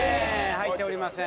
入っておりません。